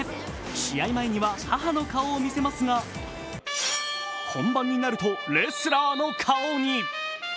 試合前には母の顔を見せますが、本番になると、レスラーの顔に。